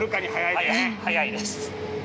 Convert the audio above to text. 速いです。